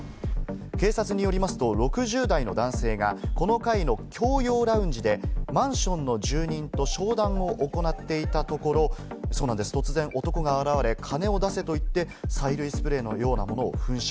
警察によりますと、６０代の男性がこの階の共用ラウンジでマンションの住人と商談を行っていたところ、突然、男が現れ金を出せと言って、催涙スプレーのようなものを噴射。